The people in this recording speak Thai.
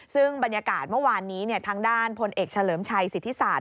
ซึ่งบรรยากาศเมื่อวานนี้ทางด้านพลเอกเฉลิมชัยสิทธิศาสต